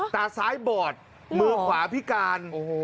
ตาซ้ายบอดมือขวาพิการ